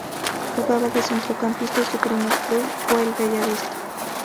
Jugaba de centrocampista y su primer club fue el Bella Vista.